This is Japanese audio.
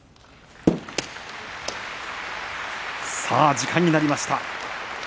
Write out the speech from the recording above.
さあ、時間になりました。